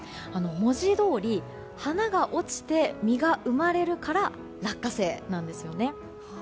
文字どおり花が落ちて実が生まれるから落花生なんですよね。